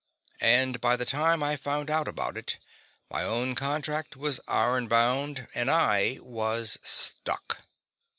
And by the time I found out about it, my own contract was iron bound, and I was stuck.